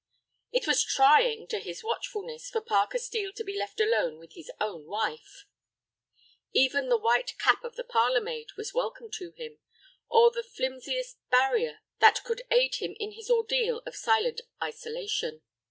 It was trying to his watchfulness for Parker Steel to be left alone with his own wife. Even the white cap of the parlor maid was welcome to him, or the flimsiest barrier that could aid him in his ordeal of silent self isolation.